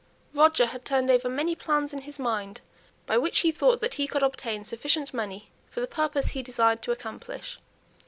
Roger had turned over many plans in his mind, by which he thought that he could obtain sufficient money for the purpose he desired to accomplish.